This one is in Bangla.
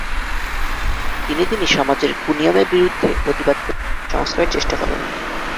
তিনি তিনি সমাজের কুনিয়মের বিরূদ্ধে প্রতিবাদ করে সমাজসংস্কারের চেষ্টা করেন।